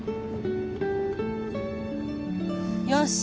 よし！